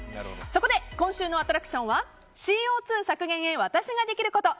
そこで、今週のアトラクションはＣＯ２削減のために私ができること！